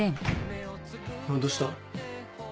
どうした？